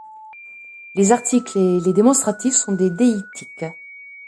Les articles et les démonstratifs sont des déictiques.